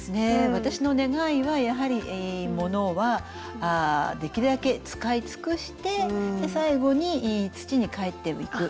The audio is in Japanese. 私の願いはやはりものはできるだけ使い尽くして最後に土に返っていく。